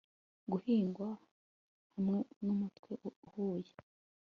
Guhingwa hamwe numwete uhuye